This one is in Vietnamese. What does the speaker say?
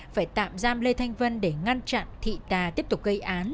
phải tạm giam lê thanh vân để ngăn chặn thị tà tiếp tục gây án